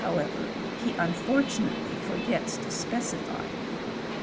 ever, he unfortunately forgets to specify.